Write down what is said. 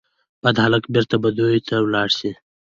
بد هلک بیرته بدیو ته ولاړ سي